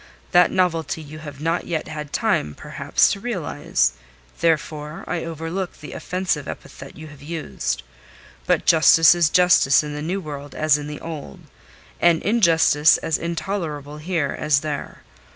That novelty you have not yet had time, perhaps, to realize; therefore I overlook the offensive epithet you have used. But justice is justice in the New World as in the Old, and injustice as intolerable here as there.